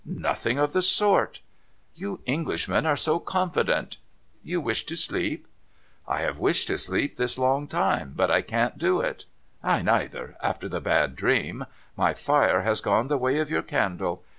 ' Nothing of the sort.' ' You Englishmen are so confident ! You wish to sleep ?'' I have wished to sleep this long time, but I can't do it.' ' I neither, after the bad dream. My fire has gone the way of your candle.